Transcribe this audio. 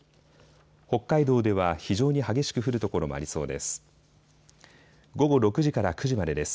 北海道では非常に激しく降る所もありそうです。